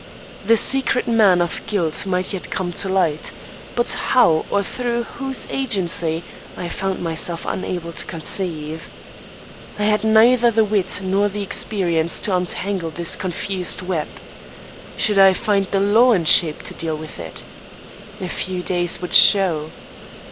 The secret man of guilt might yet come to light; but how or through whose agency, I found myself unable to conceive. I had neither the wit nor the experience to untangle this confused web. Should I find the law in shape to deal with it? A few days would show.